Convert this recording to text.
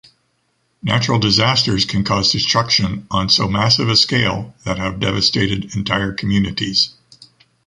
Natural disasters can cause destruction on so massive a scale that have devastated entire communities.